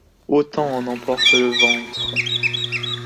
Autant en emporte le ventre.